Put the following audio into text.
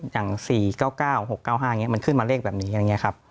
อย่าง๔๙๙๖๙๕มันขึ้นมาเลขแบบนี้